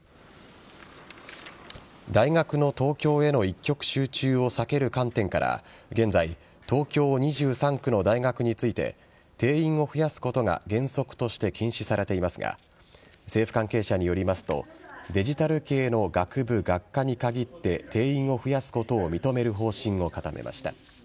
大学の東京への一極集中を避ける観点から現在、東京２３区の大学について定員を増やすことが原則として禁止されていますが政府関係者によりますとデジタル系の学部・学科に限って定員を増やすことを認める方針を固めました。